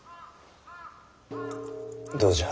どうじゃ？